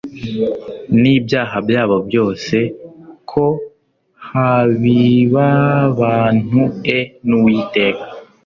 n'ibyaha byaho byose ko habibabantue n'Uwiteka....